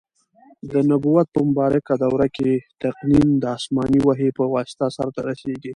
د نبوت په مبارکه دور کي تقنین د اسماني وحي په واسطه سرته رسیږي.